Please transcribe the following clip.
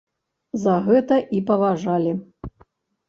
За гэта і паважалі.